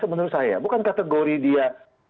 menurut saya bukan kategori dia